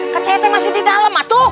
kecetnya masih di dalam atu